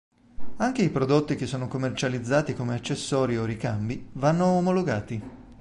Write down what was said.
Anche i prodotti che sono commercializzati come accessori o ricambi vanno omologati.